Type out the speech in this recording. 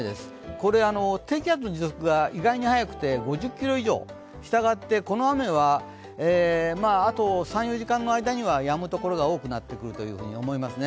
これ、低気圧の時速が意外に速くて、５０キロ以上、したがってこの雨はあと３４時間の間ではやむところが多くなってくるというふうに思いますね。